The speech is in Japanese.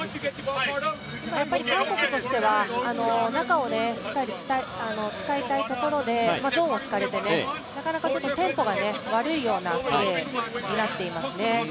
韓国としては中をしっかり使いたいところで、ゾーンを敷かれてなかなかテンポが悪いようなプレーになっていますね。